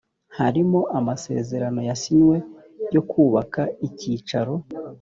harimo amasezerano yasinywe yo kubaka icyicaro